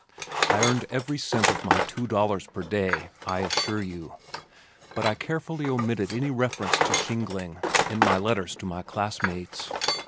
I earned every cent of my two dollars per day, I assure you, but I carefully omitted all reference to shingling, in my letters to my classmates.